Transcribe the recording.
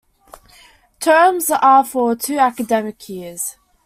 Terms are for two academic years.